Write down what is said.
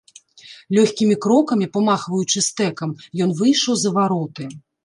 Лёгкімі крокамі, памахваючы стэкам, ён выйшаў за вароты.